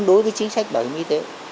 đối với chính sách bảo hiểm y tế